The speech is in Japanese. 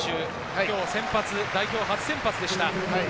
今日先発、代表初先発でした。